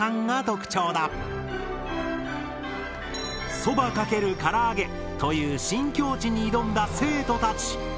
「そば×から揚げ」という新境地に挑んだ生徒たち。